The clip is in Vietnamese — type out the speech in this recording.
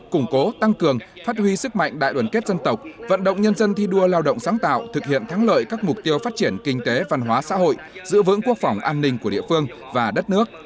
củng cố tăng cường phát huy sức mạnh đại đoàn kết dân tộc vận động nhân dân thi đua lao động sáng tạo thực hiện thắng lợi các mục tiêu phát triển kinh tế văn hóa xã hội giữ vững quốc phòng an ninh của địa phương và đất nước